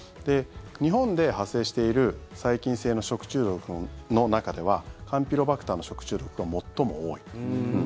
日本で発生している細菌性の食中毒の中ではカンピロバクターの食中毒が最も多い。